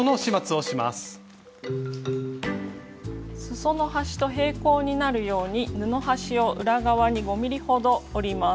すその端と平行になるように布端を裏側に５ｍｍほど折ります。